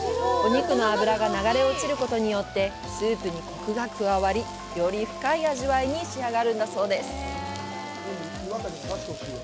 お肉の脂が流れ落ちることによってスープにコクが加わり、より深い味わいに仕上がるんだそうです。